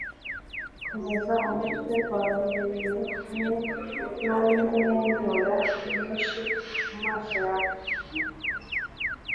komeza umutwe wawe hejuru hamwe numwenyura mwinshi mumaso yawe